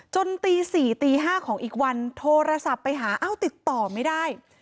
ตี๔ตี๕ของอีกวันโทรศัพท์ไปหาอ้าวติดต่อไม่ได้